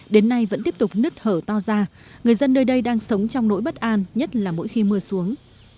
đến nay vẫn tiếp tục nứt hở to ra người dân nơi đây đang sống trong nỗi bất an nhất là mỗi khi mưa xuống